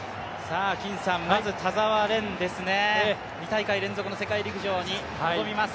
まず田澤廉ですね、２大会連続の世界陸上に挑みます。